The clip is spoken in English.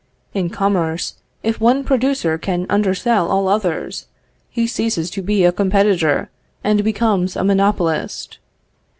In commerce, if one producer can undersell all others, he ceases to be a competitor and becomes a monopolist....